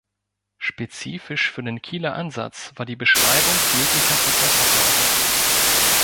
Spezifisch für den Kieler Ansatz war die Beschreibung möglicher Prozessabläufe.